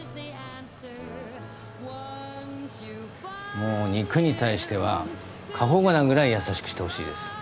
もう肉に対しては過保護なぐらいやさしくしてほしいです。